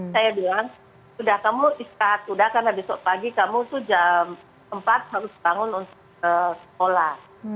saya bilang sudah kamu istirahat sudah karena besok pagi kamu itu jam empat harus bangun untuk sekolah